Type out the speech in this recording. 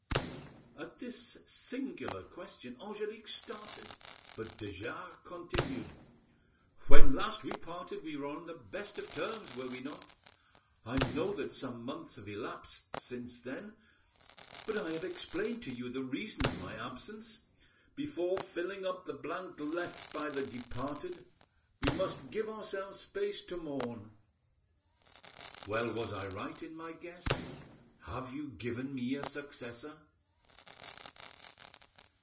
At this singular question Angelique started, but de Jars continued— "When last we parted we were on the best of terms, were we not? I know that some months have elapsed since then, but I have explained to you the reason of my absence. Before filling up the blank left by the departed we must give ourselves space to mourn. Well, was I right in my guess? Have you given me a successor?"